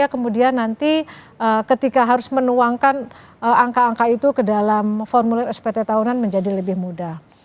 kemudian nanti ketika harus menuangkan angka angka itu ke dalam formulir spt tahunan menjadi lebih mudah